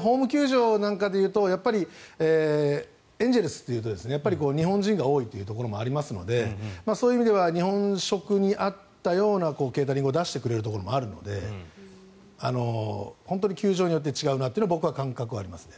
ホーム球場なんかでいうとエンゼルスというとやっぱり日本人が多いというところもありますのでそういう意味では日本食に合ったようなケータリングを出してくれるところもあるので本当に球場によって違うなという感覚が僕はありますね。